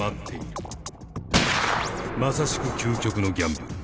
まさしく究極のギャンブル。